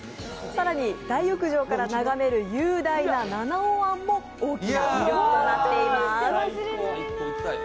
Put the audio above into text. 更に大浴場から眺める雄大な七尾湾も大きな魅力となっています。